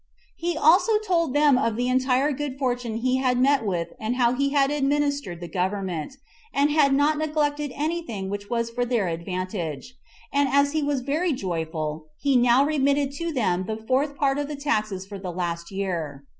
He also told them of the entire good fortune he had met with and how he had administered the government, and had not neglected any thing which was for their advantage; and as he was very joyful, he now remitted to them the fourth part of their taxes for the last year.